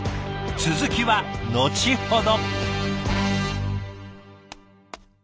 続きは後ほど。